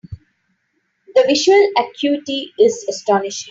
The visual acuity is astonishing.